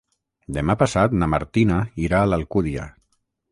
Demà passat na Martina irà a l'Alcúdia.